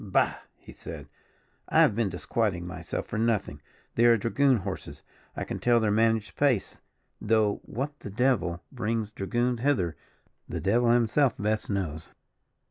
"Bah!" he said, "I have been disquieting myself for nothing they are dragoon horses; I can tell their managed pace; though, what the devil brings dragoons hither, the devil himself best knows."